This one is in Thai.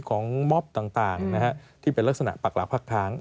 ม็อบต่างที่เป็นลักษณะปักหลักพักค้าง